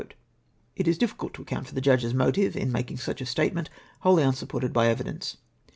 It is difficidt to account for the judge's motive in maldng such a statement, whoUy unsupported by evi dence.